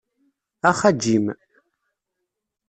Ax a Jim.